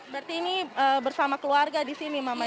berarti ini bersama keluarga di sini mama ya